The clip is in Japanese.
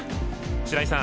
白井さん